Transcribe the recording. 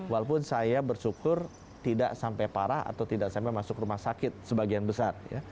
walaupun saya bersyukur tidak sampai parah atau tidak sampai masuk rumah sakit sebagian besar